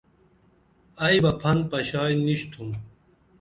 ائی بہ پھن پشائی نِشِتُھم